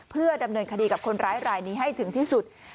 เพื่อดำเนินคดีกับคนร้ายรายนี้ให้ถึงที่สุด